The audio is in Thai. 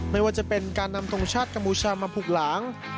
ไม่ว่าจะเป็นการนำทรงชาติกัมพูชามาผูกหลัง